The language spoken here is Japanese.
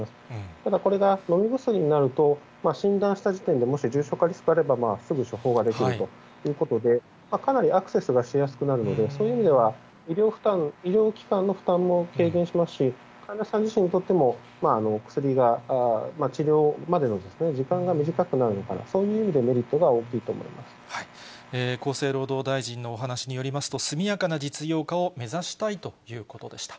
ただ、これが飲み薬になると、診断した時点で、もし重症化リスクあればすぐ処方ができるということで、かなりアクセスがしやすくなるので、そういう意味では医療機関の負担も軽減しますし、患者さん自身にとっても、薬が、治療までの時間が短くなるのかな、そういう意味でメリットが大きい厚生労働大臣のお話によりますと、速やかな実用化を目指したいということでした。